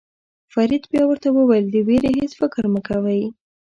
فرید بیا ورته وویل د وېرې هېڅ فکر مه کوئ.